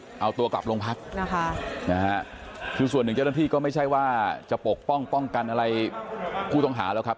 พาตัวกลับโรงพักษณ์ส่วนหนึ่งเจ้าท่านพี่ก็ไม่ใช่ว่าจะปกป้องกันอะไรคู่ต้องหาแล้วครับ